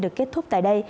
được kết thúc tại đây